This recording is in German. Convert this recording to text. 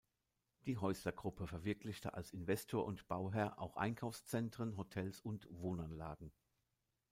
Die Häussler-Gruppe verwirklichte als Investor und Bauherr auch Einkaufszentren, Hotels und Wohnanlagen.